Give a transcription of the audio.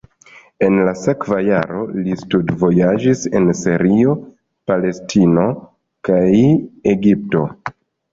En la sekva jaro li studvojaĝis en Sirio, Palestino kaj Egipto.